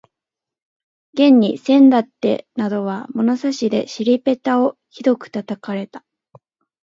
現にせんだってなどは物差しで尻ぺたをひどく叩かれた